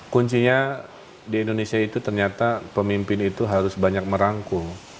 kuncinya di indonesia itu ternyata pemimpin itu harus banyak merangkul